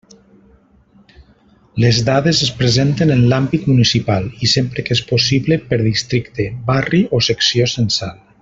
Les dades es presenten en l'àmbit municipal i sempre que és possible per districte, barri o secció censal.